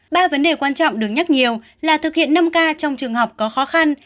ba vấn đề quan trọng được nhắc nhiều là thực hiện năm k trong trường học có khó khăn